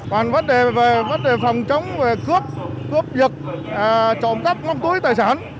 còn vấn đề về vấn đề phòng chống về cướp cướp dựt trộm cắp móc túi tài sản